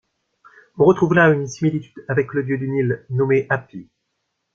On retrouve là une similitude avec le dieu du Nil nommé Hâpy.